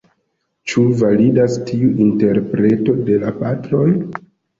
Ĉu validas tiu interpreto de la Patroj?